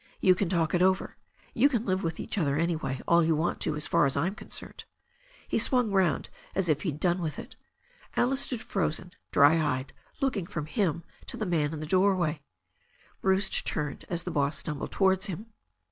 You can talk it over. You can live with each other, anyway, all you want to, as far as I'm concerned." He swung round as if he'd done with it. Alice stood frozen, dry eyed, looking from him to the man in the doorway. Bruce turned as the boss stumbled towards him.